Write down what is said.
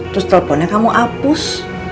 terus teleponnya kamu hapus